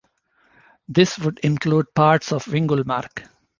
This would include parts of Vingulmark.